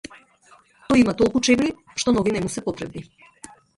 Тој има толку чевли што нови не му се потребни.